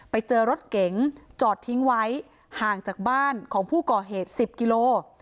ไปเจอรถเก๋งจอดทิ้งไว้ห่างจากบ้านของผู้ก่อเหตุ๑๐กิโล